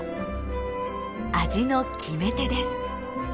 味の決め手です。